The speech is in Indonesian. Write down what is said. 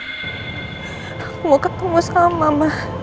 aku mau ketemu sama mama